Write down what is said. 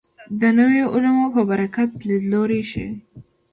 د نویو علومو په برکت لید لوړ شوی دی.